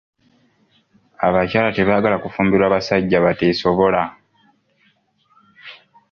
Abakyala tebaagala kufumbirwa basajja bateesobola .